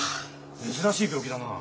珍しい病気だなあ。